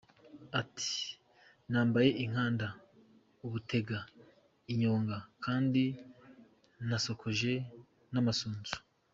Ati “ Nambaye inkanda, ubutega, inyonga kandi nasokoje n’amasunzu.